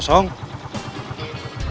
coba melangkah realidade